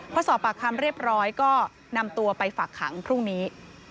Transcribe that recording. พอสอบปากคำเรียบร้อยก็นำตัวไปฝากขังพรุ่งนี้